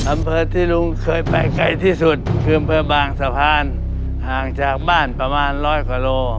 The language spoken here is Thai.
อำเภอที่ลุงเคยไปไกลที่สุดคืออำเภอบางสะพานห่างจากบ้านประมาณร้อยกว่าโล